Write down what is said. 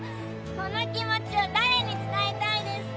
この気持ちを誰に伝えたいですか？